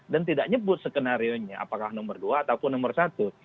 dan tidak nyebut skenario nya apakah nomor dua ataupun nomor satu